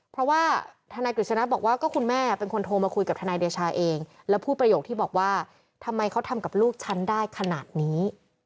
เพราะว่าทนายกฤษณะบอกว่าก็คุณแม่เป็นคนโทรมาคุยกับทนายเดชาเองแล้วพูดประโยคที่บอกว่าทำไมเขาทำกับลูกฉันได้ขนาดนี้